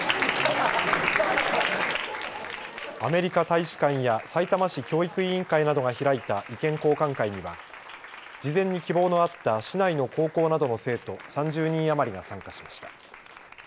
アメリカ大使館やさいたま市教育委員会などが開いた意見交換会には事前に希望のあった市内の高校などの生徒３０人余りが参加しました。